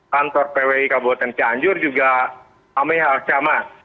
kantor pwi kabupaten ancian anjur juga amihal sama